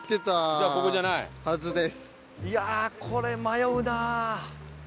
いやあこれ迷うな。